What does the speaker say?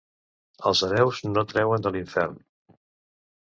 Els hereus no treuen de l'infern.